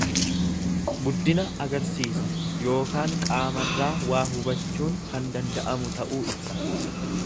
Guddina agarsiisa yookaan qaamarraa waa hubachuun kan danda'amu ta'uu ibsa.